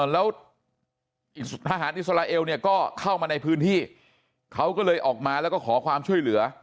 แล้วทหารอิสราเอลเนี่ยก็เข้ามาในพื้นที่เขาก็เลยออกมาแล้วก็ขอความช่วยเหลือ